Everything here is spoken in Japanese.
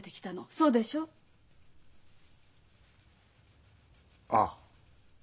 そうでしょう？ああ。